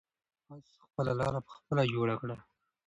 آس خپله لاره په خپله جوړه کړه.